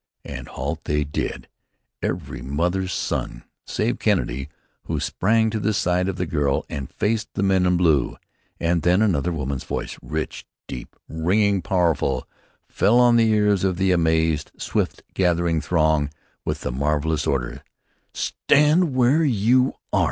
And halt they did, every mother's son save Kennedy, who sprang to the side of the girl and faced the men in blue. And then another woman's voice, rich, deep, ringing, powerful, fell on the ears of the amazed, swift gathering throng, with the marvellous order: "Stand where you are!